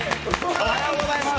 おはようございます。